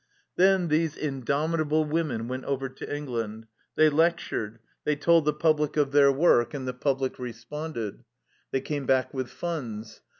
Then these indomit able women went over to England ; they lectured, they told the public of their work, and the public responded. They came back with funds.